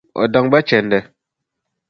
O daŋ ba chɛndi.